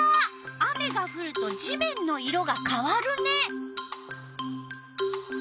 雨がふると地面の色がかわるね。